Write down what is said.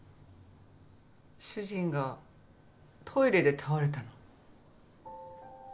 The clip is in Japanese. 主人がトイレで倒れたの。